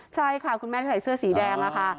ใช่ค่ะคุณแม่ที่ใส่เสื้อสีแดงค่ะ